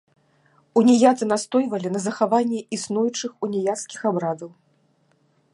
Уніяты настойвалі на захаванні існуючых уніяцкіх абрадаў.